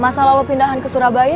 masalah lo pindahan ke surabaya